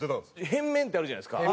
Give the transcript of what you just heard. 変面ってあるじゃないですか。